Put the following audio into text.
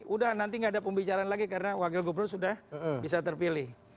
udah nanti nggak ada pembicaraan lagi karena wakil gubernur sudah bisa terpilih